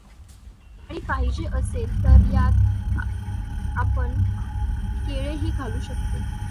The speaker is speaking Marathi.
आणि पाहिजे असेल तर त्यात आपण केळेही घालू शकतो.